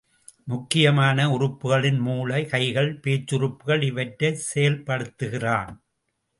முக்கியமான உறுப்புகளின் மூளை, கைகள், பேச்சுறுப்புகள் இவற்றைச் செயல்படுத்துகிறான்.